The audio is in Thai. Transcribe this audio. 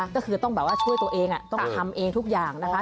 ก็คือต้องแบบว่าช่วยตัวเองต้องทำเองทุกอย่างนะคะ